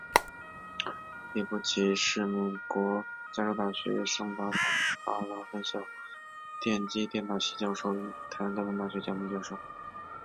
叶伯琦是美国加州大学圣塔芭芭拉分校电机电脑系教授与台湾交通大学讲座教授。